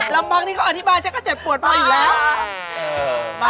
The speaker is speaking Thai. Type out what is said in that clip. ลำบังที่เขาอธิบายเราก็จะปวดเปล่าอยู่แล้ว